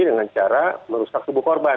dengan cara merusak tubuh korban